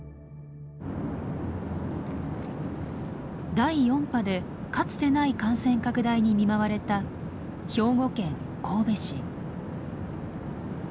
第４波でかつてない感染拡大に見舞われた兵庫県神戸市。